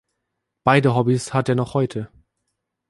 Beide Hobbys hat er noch heute.